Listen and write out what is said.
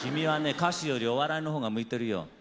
歌手よりお笑いの方が向いてるよ。